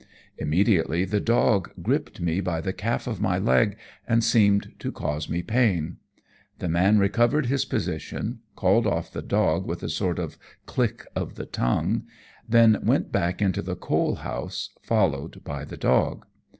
Immediately the dog gripped me by the calf of my leg, and seemed to cause me pain. The man recovered his position, called off the dog with a sort of click of the tongue, then went back into the coal house, followed by the dog.